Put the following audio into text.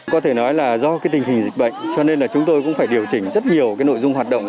có thể nói là do cái tình hình dịch bệnh cho nên là chúng tôi cũng phải điều chỉnh rất nhiều cái nội dung hoạt động